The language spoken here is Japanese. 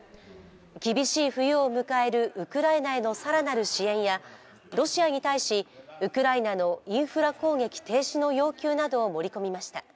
厳しい冬を迎えるウクライナへの更なる支援やロシアに対しウクライナのインフラ攻撃停止の要求などを盛り込みました。